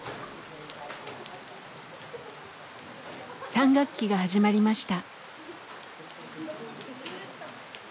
３学期が始まりました。